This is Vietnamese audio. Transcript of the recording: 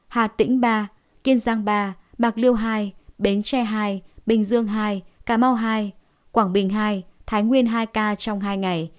hà tĩnh ba kiên giang ba bạc liêu hai bến tre hai bình dương hai cà mau hai quảng bình hai thái nguyên hai ca trong hai ngày